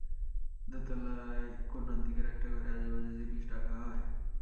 দোতলায় কোণার দিকের একটা ঘরে আজেবাজে জিনিস রাখা হয়।